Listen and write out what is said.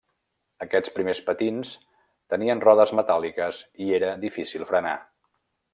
Aquests primers patins tenien rodes metàl·liques i era difícil frenar.